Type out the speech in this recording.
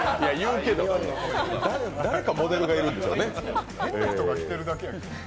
誰かモデルがいるんでしょうね。